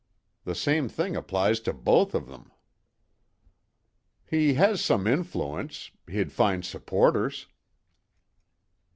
The same thing applies to both of them." "He has some influence. He'd find supporters."